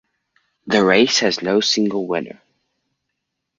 The race has no single winner.